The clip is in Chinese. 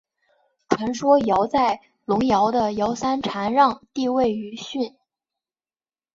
传说尧在隆尧的尧山禅让帝位予舜。